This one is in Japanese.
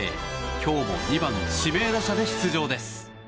今日も２番指名打者で出場です。